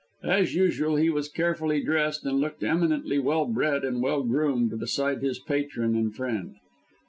As usual he was carefully dressed, and looked eminently well bred and well groomed beside his patron and friend.